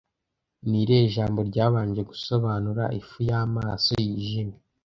Ni irihe jambo ryabanje gusobanura ifu y'amaso yijimye